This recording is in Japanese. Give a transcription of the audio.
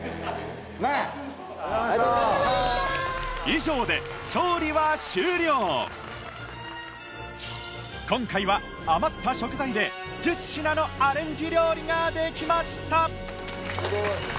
以上で今回は余った食材で１０品のアレンジ料理ができました！